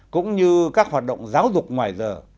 cũng như các hoạt động giáo dục ngoài giờ